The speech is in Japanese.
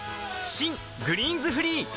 新「グリーンズフリー」